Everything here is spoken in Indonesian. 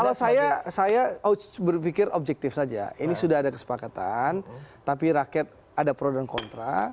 kalau saya saya berpikir objektif saja ini sudah ada kesepakatan tapi rakyat ada pro dan kontra